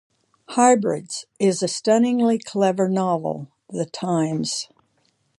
"Hybrids" is "a stunningly clever novel" - The Times.